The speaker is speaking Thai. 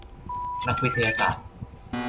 นักวิทยาศาสตร์